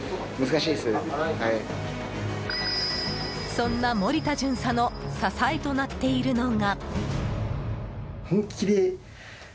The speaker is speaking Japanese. そんな森田巡査の支えとなっているのが。